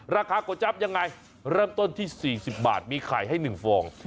ก๋วยจั๊บยังไงเริ่มต้นที่๔๐บาทมีไข่ให้๑ฟอง